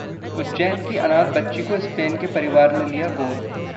उज्जैन की अनाथ बच्ची को स्पेन के परिवार ने लिया गोद